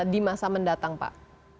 di masa mendatang pak